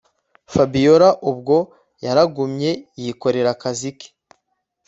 Fabiora ubwo yaragumye yikorera akazi ke